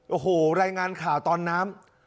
โอ้โหรายงานข่าวตอนน้ำ